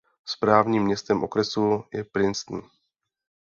Správním městem okresu je Princeton.